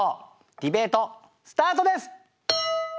ディベートスタートです。